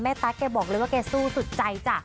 แต้ไตล์แกบอกเลยว่าแกสู้สุดใจจ๊ะ